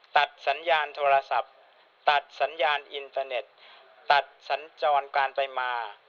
ตัดสัญญาณโทรศัพท์ตัดสัญญาณอินเตอร์เน็ตตัดสัญจรการไปมา